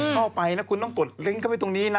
เข้าไปคุณต้องกดเล็งเข้าไปตรงนี้นะ